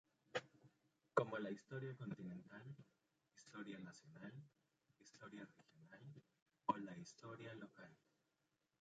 Como la historia continental, historia nacional, historia regional o la historia local.